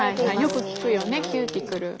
よく聞くよねキューティクル。